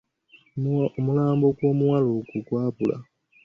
Omulambo gw'omuwala gwo gwabula.